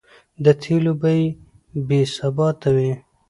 د تېلو بیې بې ثباته وې؛